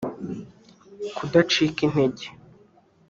kudacika intege